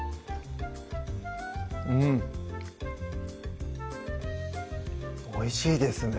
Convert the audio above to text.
うんおいしいですね